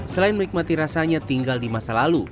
selain menikmati rasanya tinggal di masa lalu